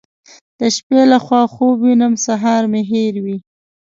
د شپې له خوا خوب وینم سهار مې هېروي.